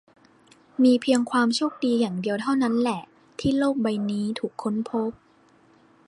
มีเพียงความโชคดีอย่างเดียวเท่านั้นแหละ ที่โลกนี้ถูกค้นพบ